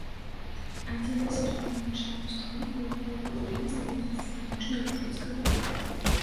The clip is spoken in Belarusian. Адзіная сярэдняя навучальная ўстанова, у якой выкладанне вядзецца на ніжнялужыцкай мове.